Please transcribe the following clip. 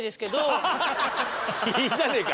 いいじゃねえか。